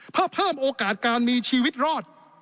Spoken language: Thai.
เพื่อเพิ่มโอกาสการมีชีวิตรอด